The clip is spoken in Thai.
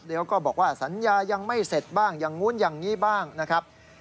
เดี๋ยวก็บอกว่าสัญญายังไม่เสร็จบ้างอย่างนู้นอย่างนี้บ้างนะครับ